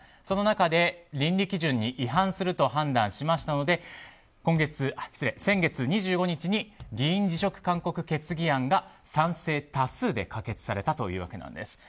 その中で、倫理基準に違反すると判断しましたので先月２５日に議員辞職勧告決議案が賛成多数で可決されたというわけなんです。